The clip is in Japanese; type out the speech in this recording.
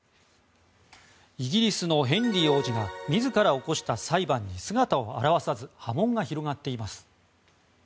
イギリスのヘンリー王子が自ら起こした裁判に姿を現さず波紋が広がっています。